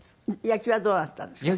野球はどうなったんですか？